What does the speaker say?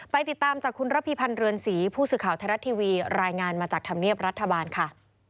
ติดตามจากคุณระพีพันธ์เรือนศรีผู้สื่อข่าวไทยรัฐทีวีรายงานมาจากธรรมเนียบรัฐบาลค่ะ